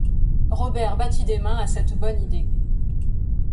Robert battit des mains à cette bonne idée.